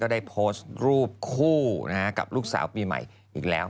ได้โพสต์รูปคู่กับลูกสาวปีใหม่อีกแล้ว